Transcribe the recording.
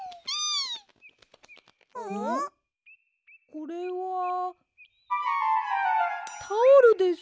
これはタオルです。